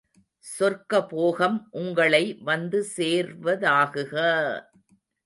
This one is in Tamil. சொர்க்கபோகம் உங்களை வந்து சேர்வதாகுக!